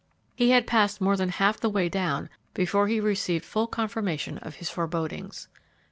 He had passed more than half the way down before he received full confirmation of his forebodings.